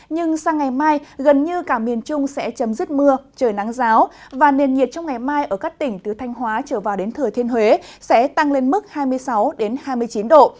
nhưng sang ngày mai gần như cả miền trung sẽ chấm dứt mưa trời nắng giáo và nền nhiệt trong ngày mai ở các tỉnh từ thanh hóa trở vào đến thừa thiên huế sẽ tăng lên mức hai mươi sáu hai mươi chín độ